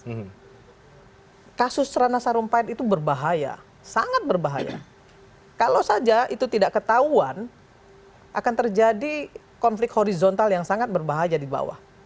karena kasus serana sarumpain itu berbahaya sangat berbahaya kalau saja itu tidak ketahuan akan terjadi konflik horizontal yang sangat berbahaya di bawah